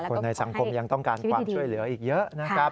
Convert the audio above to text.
คนในสังคมยังต้องการความช่วยเหลืออีกเยอะนะครับ